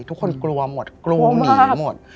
ทุกคนกลัวหมดกลัวหนีหมด